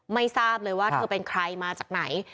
ไม่ทราบเลยว่าเธอเป็นใครมาจากไหน